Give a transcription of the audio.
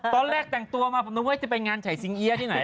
ตอนแรกแต่งตัวมาชอยดูว่าจะไปงานใส่วีที่ไหน